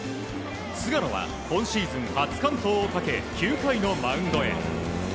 菅野は今シーズン初完投をかけ９回のマウンドへ。